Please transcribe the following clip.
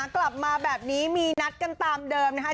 กลับมาแบบนี้มีนัดกันตามเดิมนะคะ